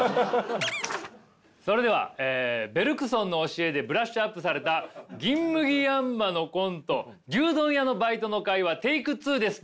それではベルクソンの教えでブラッシュアップされた銀麦ヤンマのコント牛丼屋のバイトの会話ＴＡＫＥ２です。